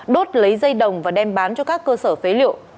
đốt lấy dây đồng và đem bán cho các cơ sở phế liệu